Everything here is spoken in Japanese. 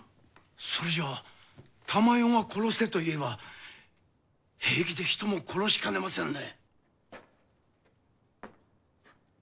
それじゃあ珠世が殺せと言えば平気で人も殺しかねませんね。